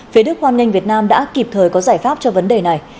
phía đức hoan nghênh việt nam đã kịp thời có giải pháp cho vấn đề này